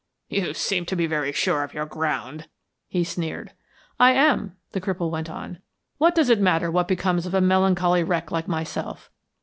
"You seem to be very sure of your ground," he sneered. "I am," the cripple went on. "What does it matter what becomes of a melancholy wreck like myself?